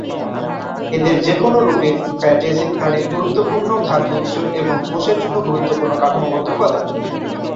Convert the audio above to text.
এদের যেকোনও রূপে, ফ্যাটি অ্যাসিড প্রাণীর গুরুত্বপূর্ণ খাদ্য উৎস এবং কোষের জন্য গুরুত্বপূর্ণ কাঠামোগত উপাদান।